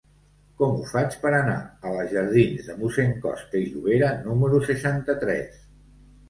Com ho faig per anar a la jardins de Mossèn Costa i Llobera número seixanta-tres?